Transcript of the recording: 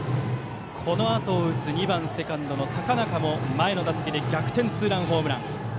このあとを打つ高中も前の打席で逆転ツーランホームラン。